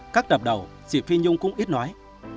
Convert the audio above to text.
các tập đầu chị phi nhung cũng ít nói